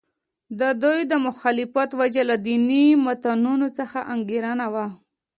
د دوی د مخالفت وجه له دیني متنونو څخه انګېرنه وه.